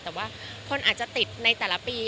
แต่ว่าคนอาจจะติดในแต่ละปี